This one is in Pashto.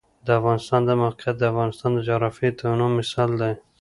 د افغانستان د موقعیت د افغانستان د جغرافیوي تنوع مثال دی.